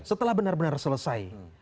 setelah benar benar selesai